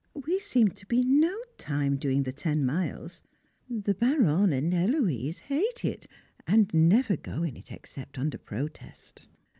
We seemed to be no time doing the ten miles. The Baronne and Héloise hate it, and never go in it except under protest.